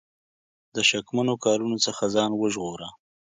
د شکمنو کارونو څخه ځان وژغوره.